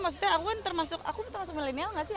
maksudnya aku kan termasuk millenial gak sih